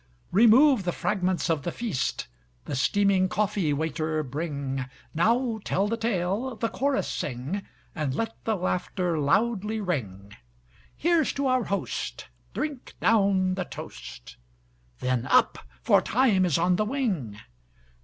Remove the fragments of the feast! The steaming coffee, waiter, bringNow tell the tale, the chorus sing, And let the laughter loudly ring; Here 's to our host, drink down the toast, Then up! for time is on the wing.